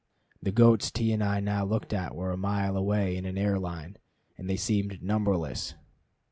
The goats T and I now looked at were a mile away in an air line, and they seemed numberless.